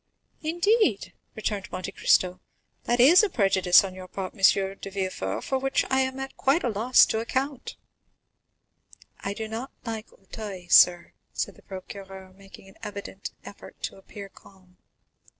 "Indeed?" returned Monte Cristo, "that is a prejudice on your part, M. de Villefort, for which I am quite at a loss to account." "I do not like Auteuil, sir," said the procureur, making an evident effort to appear calm.